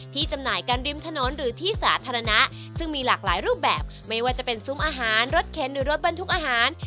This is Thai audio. จำหน่ายกันริมถนนหรือที่สาธารณะซึ่งมีหลากหลายรูปแบบไม่ว่าจะเป็นซุ้มอาหารรถเข็นหรือรถบรรทุกอาหาร